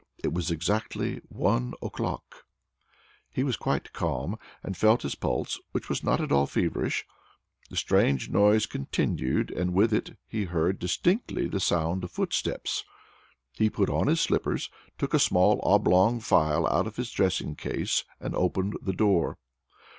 It was exactly one o'clock. He was quite calm, and felt his pulse, which was not at all feverish. The strange noise still continued, and with it he heard distinctly the sound of footsteps. He put on his slippers, took a small oblong phial out of his dressing case, and opened the door.